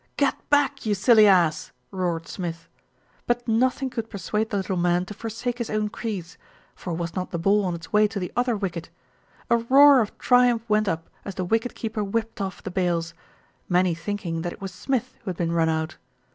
"Get back, you silly ass!" roared Smith; but nothing could persuade the little man to forsake his own crease, for was not the ball on its way to the other wicket? A roar of triumph went up as the wicket keeper whipped off the bails; many thinking that it was Smith who had been run out.